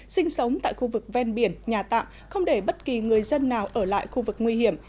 sinh sống tại khu vực ven biển nhà tạm không để bất kỳ người dân nào ở lại khu vực nguy hiểm